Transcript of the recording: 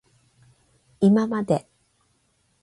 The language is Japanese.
いままで